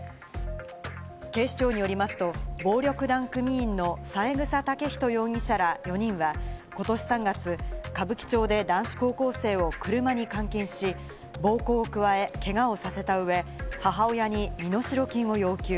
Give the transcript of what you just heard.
警視庁によりますと、暴力団組員の三枝丈人容疑者ら４人は、ことし３月、歌舞伎町で男子高校生を車に監禁し暴行を加え、けがをさせたうえ、母親に身代金を要求。